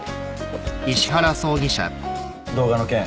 動画の件